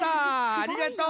ありがとう。